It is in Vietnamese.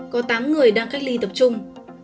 có tám người đang cách ly tập trung